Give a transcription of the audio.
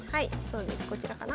こちらかな？